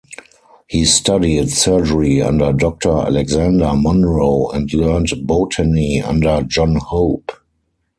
He studied surgery under Doctor Alexander Monro and learnt botany under John Hope.